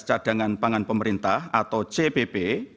cadangan pangan pemerintah atau cpp